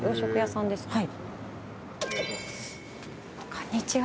こんにちは。